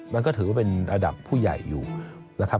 มันก็ถือว่าเป็นระดับผู้ใหญ่อยู่นะครับ